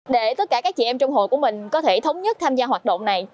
để tất cả các chị em trong hội của mình có thể thống nhất tham gia hoạt động này